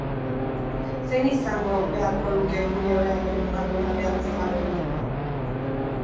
Zein izango beharko luke gure ohearen kokapena behar bezala lo egiteko?